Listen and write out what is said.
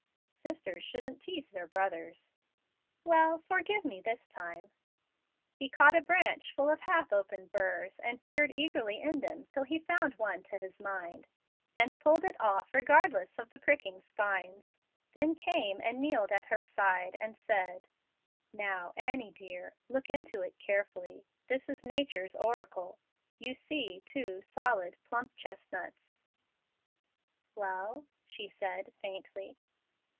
"Sisters shouldn't tease their brothers." "Well, forgive me this time." He caught a branch full of half open burrs, and peered eagerly in them till he found one to his mind, and pulled it off regardless of the pricking spines, then came and kneeled at her side, and said, "Now, Annie, dear, look into it carefully. This is nature's oracle. You see two solid, plump chestnuts." "Well?" she said, faintly.